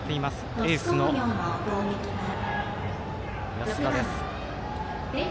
エースの安田です。